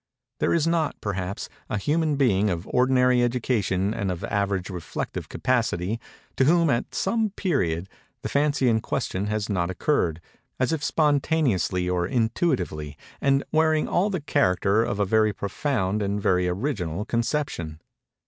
There is not, perhaps, a human being, of ordinary education and of average reflective capacity, to whom, at some period, the fancy in question has not occurred, as if spontaneously, or intuitively, and wearing all the character of a very profound and very original conception.